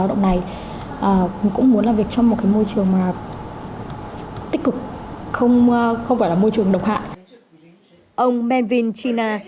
ông manvin china